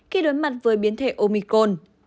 khi đối mặt với biến thể omicron